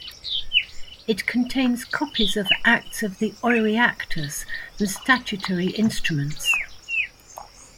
It contains copies of Acts of the Oireachtas and statutory instruments.